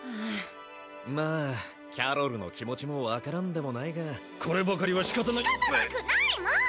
まあキャロルの気持ちも分からんでもないがこればかりは仕方ない仕方なくないもん！